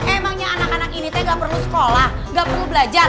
emangnya anak anak ini teh gak perlu sekolah gak perlu belajar